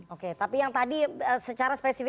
oke tapi yang tadi secara spesifik